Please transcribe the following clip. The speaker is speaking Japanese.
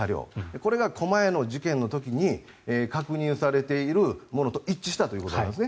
これが狛江の事件の時に確認をされているものと一致したということなんですね。